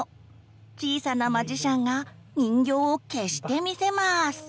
小さなマジシャンが人形を消してみせます。